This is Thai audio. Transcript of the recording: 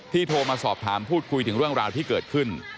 โทรมาสอบถามพูดคุยถึงเรื่องราวที่เกิดขึ้น